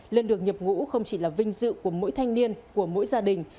lên đường nhập ngũ không chỉ là vinh dự của mỗi thanh niên của mỗi gia đình